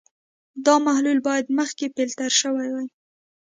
دا محلول باید مخکې فلټر شوی وي.